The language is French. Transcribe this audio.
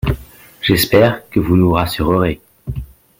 J’espère que vous nous rassurerez.